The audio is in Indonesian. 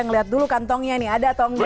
ngelihat dulu kantongnya ini ada tongnya ya